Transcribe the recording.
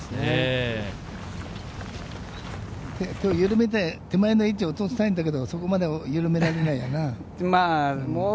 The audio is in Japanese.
ゆるめて手前のエッジに落としたいんだけれど、そこまではゆるめられないよな。